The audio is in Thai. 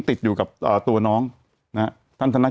แต่หนูจะเอากับน้องเขามาแต่ว่า